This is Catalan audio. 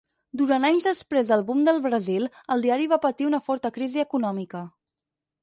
Durant anys després del boom del Brasil, el diari va patir una forta crisi econòmica.